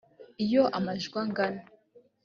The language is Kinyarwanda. iyo amajwi angana